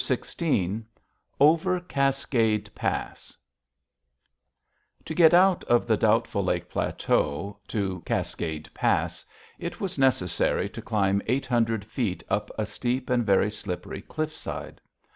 XVI OVER CASCADE PASS To get out of the Doubtful Lake plateau to Cascade Pass it was necessary to climb eight hundred feet up a steep and very slippery cliffside.